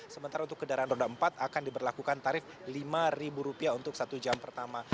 sementara untuk kendaraan roda empat akan diberlakukan tarif rp lima untuk satu jam pertama